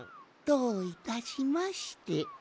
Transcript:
どういたしまして。